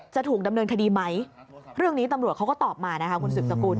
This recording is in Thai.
จะถูกดำเนินคดีไหมเรื่องนี้ตำรวจเขาก็ตอบมานะคะคุณสืบสกุล